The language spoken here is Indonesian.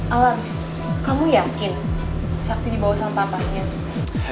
alam kamu yakin sakti dibawa sama papahnya